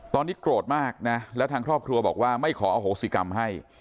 ตอนนี้โกรธมากนะแล้วทางครอบครัวบอกว่าไม่ขออโหสิกรรมให้